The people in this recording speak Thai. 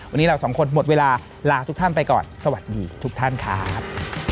วันนี้เราสองคนหมดเวลาลาทุกท่านไปก่อนสวัสดีทุกท่านค่ะครับ